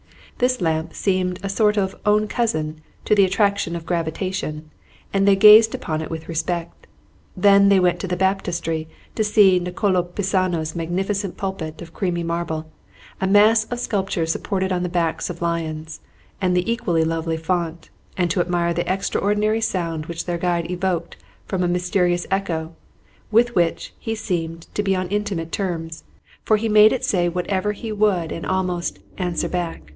This lamp seemed a sort of own cousin to the attraction of gravitation, and they gazed upon it with respect. Then they went to the Baptistery to see Niccolo Pisano's magnificent pulpit of creamy marble, a mass of sculpture supported on the backs of lions, and the equally lovely font, and to admire the extraordinary sound which their guide evoked from a mysterious echo, with which he seemed to be on intimate terms, for he made it say whatever he would and almost "answer back."